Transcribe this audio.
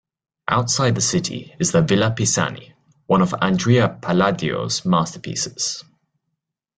Outside the city is the "Villa Pisani", one of Andrea Palladio's masterpieces.